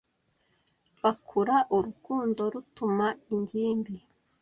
bakura urukundo rutuma ingimbi